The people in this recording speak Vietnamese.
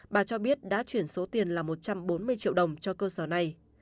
bà cho biết đã chuyển số tiền là một trăm bốn mươi triệu đồng cho cơ sở này